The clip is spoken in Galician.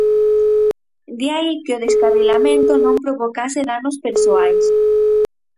De aí que o descarrilamento non provocase danos persoais.